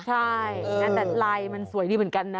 ใช่แต่ลายมันสวยดีเหมือนกันนะ